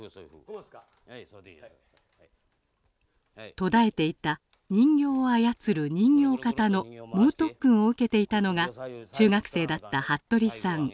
途絶えていた人形を操る人形方の猛特訓を受けていたのが中学生だった服部さん。